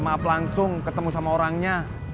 maaf langsung ketemu sama orangnya